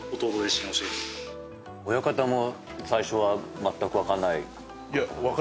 親方も最初はまったく分かんない。